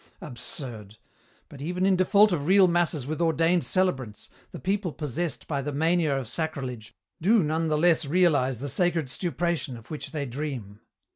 Absurd! But even in default of real masses with ordained celebrants, the people possessed by the mania of sacrilege do none the less realize the sacred stupration of which they dream.